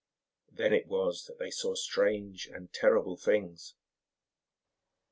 Then it was that they saw strange and terrible things.